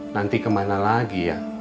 nanti kemana lagi ya